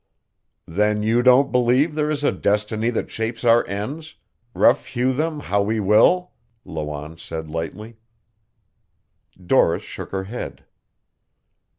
"Then you don't believe there is a Destiny that shapes our ends, rough hew them how we will?" Lawanne said lightly. Doris shook her head.